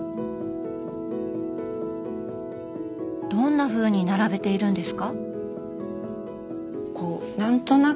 どんなふうに並べているんですか？